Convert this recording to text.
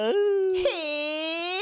へえ！